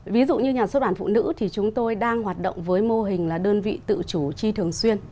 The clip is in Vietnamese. ví dụ như nhà xuất bản phụ nữ thì chúng tôi đang hoạt động với mô hình là đơn vị tự chủ chi thường xuyên